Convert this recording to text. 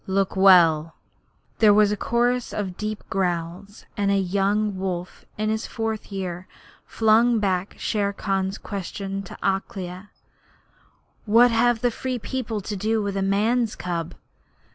Look well!' There was a chorus of deep growls, and a young wolf in his fourth year flung back Shere Khan's question to Akela: 'What have the Free People to do with a man's cub?'